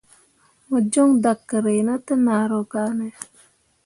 Mo jon dakerre na te nahro kane ?